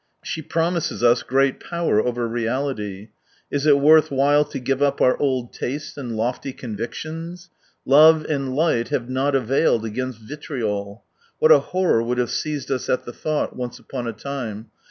She promises us great power over reality. Is it worth while to give up our old tastes and lofty convictions ? Love and light have not availed against vitrioL What a horror would have seized us at the thought, once upon a time!